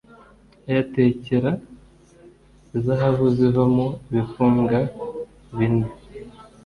Ayatekera izahabu zivamo ibifunga bine.